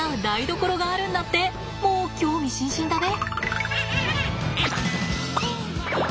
もう興味津々だべ？